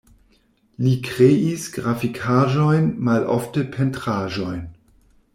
Li kreis grafikaĵojn, malofte pentraĵojn.